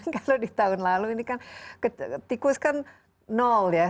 kalau di tahun lalu ini kan tikus kan nol ya